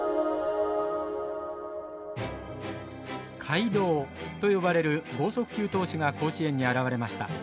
怪童と呼ばれる剛速球投手が甲子園に現れました。